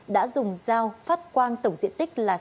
đã dùng dao phát quang tổng diện tích là sáu bốn trăm bốn mươi năm m hai